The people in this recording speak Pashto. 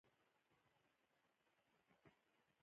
ازادي راډیو د ټولنیز بدلون پر اړه مستند خپرونه چمتو کړې.